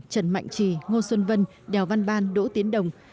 trần mạnh trì ngô xuân vân đèo văn ban đỗ tiến đồng